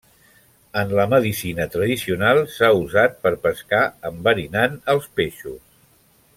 En la medicina tradicional s'ha usat per pescar enverinant els peixos.